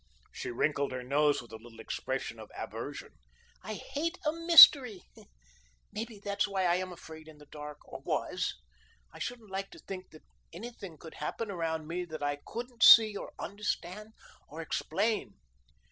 She wrinkled her nose with a little expression of aversion. "I hate a mystery. Maybe that's why I am afraid in the dark or was. I shouldn't like to think that anything could happen around me that I couldn't see or understand or explain."